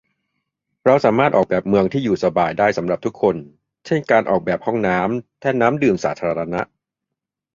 เราสามารถออกแบบเมืองที่อยู่สบายได้สำหรับทุกคน เช่นการออกแบบ ห้องน้ำ แท่นน้ำดื่มสาธารณะ